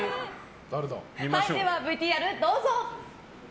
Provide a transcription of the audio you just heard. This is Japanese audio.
ではＶＴＲどうぞ。